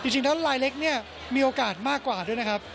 จริงแล้วลายเล็กเนี่ยมีโอกาสมากกว่าด้วยนะครับ